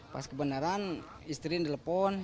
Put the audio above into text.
pas kebenaran istrinya telepon